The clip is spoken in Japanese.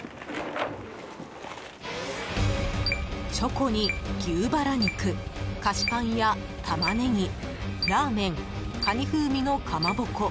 チョコに牛バラ肉菓子パンやタマネギラーメン、カニ風味のかまぼこ。